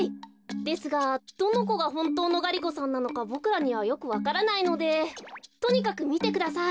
ですがどのこがほんとうのガリ子さんなのかボクらにはよくわからないのでとにかくみてください。